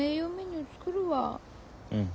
うん。